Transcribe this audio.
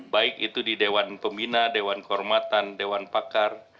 baik itu di dewan pembina dewan kehormatan dewan pakar